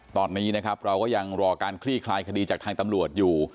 ตอนนี้นะครับเราก็ยังรอการคลี่คลายคดีจากทางตำรวจอยู่